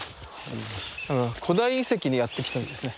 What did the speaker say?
古代遺跡にやって来たみたいですね。